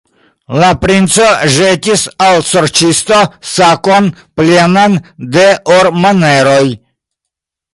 La princo ĵetis al la sorĉisto sakon, plenan de ormoneroj.